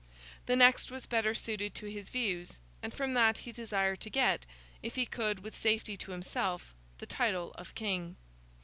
The next was better suited to his views; and from that he desired to get—if he could with safety to himself—the title of King.